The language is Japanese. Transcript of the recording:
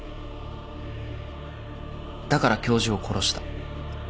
だから教授を殺した。